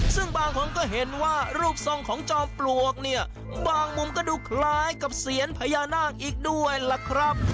ซึ่งบางคนก็เห็นว่ารูปทรงของจอมปลวกเนี่ยบางมุมก็ดูคล้ายกับเซียนพญานาคอีกด้วยล่ะครับ